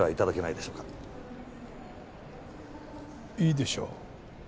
いいでしょう。